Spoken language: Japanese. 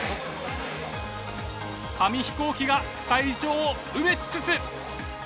紙飛行機が会場を埋め尽くす！